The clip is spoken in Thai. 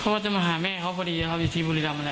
เขาว่าจะมาหาแม่เขาพอดีเดี๋ยวเขาไปที่บุรีรัมป์มาแล้ว